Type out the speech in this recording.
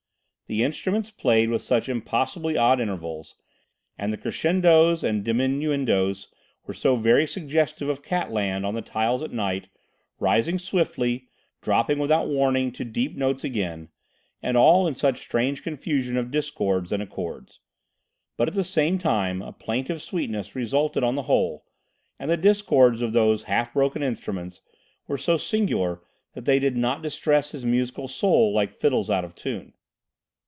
The instruments played such impossibly odd intervals, and the crescendos and diminuendos were so very suggestive of cat land on the tiles at night, rising swiftly, dropping without warning to deep notes again, and all in such strange confusion of discords and accords. But, at the same time a plaintive sweetness resulted on the whole, and the discords of these half broken instruments were so singular that they did not distress his musical soul like fiddles out of tune.